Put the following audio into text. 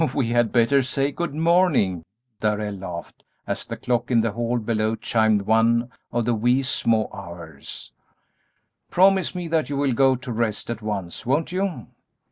"We had better say good morning," Darrell laughed, as the clock in the hall below chimed one of the "wee, sma' hours;" "promise me that you will go to rest at once, won't you?"